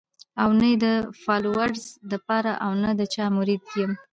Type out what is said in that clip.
او نۀ ئې د فالوورز د پاره او نۀ د چا مريد يم